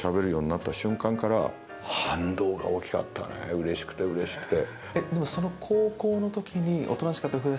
⁉うれしくてうれしくて。